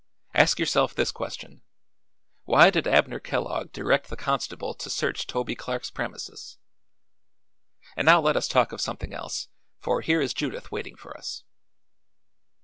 Ask yourself this question: Why did Abner Kellogg direct the constable to search Toby Clark's premises? And now let us talk of something else, for here is Judith waiting for us."